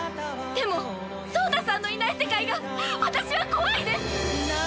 でも草太さんのいない世界が私は怖いです！